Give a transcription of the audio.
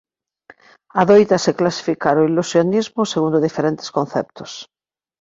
Adóitase clasificar o ilusionismo segundo diferentes conceptos.